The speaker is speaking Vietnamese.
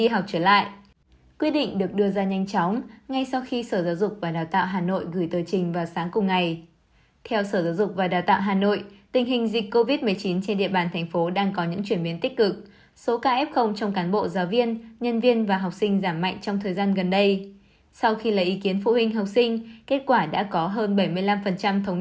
hãy học cùng con chơi cùng con và giúp con